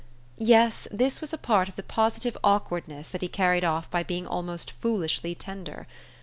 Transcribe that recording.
Yes, this was a part of the positive awkwardness that he carried off by being almost foolishly tender.